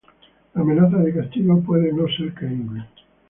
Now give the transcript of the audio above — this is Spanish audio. La amenaza de castigo puede no ser creíble.